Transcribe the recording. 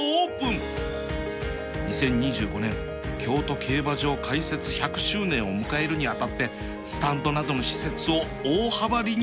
２０２５年京都競馬場開設１００周年を迎えるに当たってスタンドなどの施設を大幅リニューアル